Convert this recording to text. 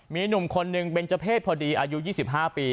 มีหนุ่มคนหนึ่งเป็นเจ้าเพศพอดีอายุ๒๕ปี